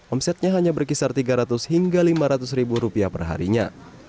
omsetnya hanya berkisar tiga ratus hingga lima ratus ribu rupiah perharinya